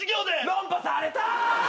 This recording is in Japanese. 論破された！